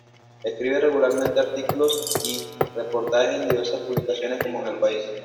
Escribe regularmente artículos y reportajes en diversas publicaciones como en El País.